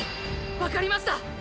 分かりました。